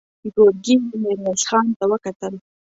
ګرګين ميرويس خان ته وکتل.